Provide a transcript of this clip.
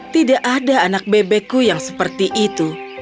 tidak ada anak bebekku yang seperti itu